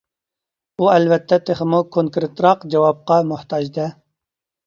ئۇ ئەلۋەتتە تېخىمۇ كونكرېتراق جاۋابقا موھتاج-دە!